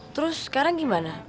terus sekarang gimana